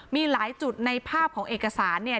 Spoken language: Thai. มีหลายจุดในภาพของเอกสารเนี่ย